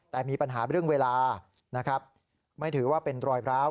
แต่มีปัญหาเรื่องเวลานะครับไม่ถือว่าเป็นรอยร้าว